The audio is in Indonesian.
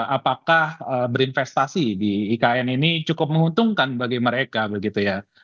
apakah berinvestasi di ikn ini cukup menguntungkan bagi mereka begitu ya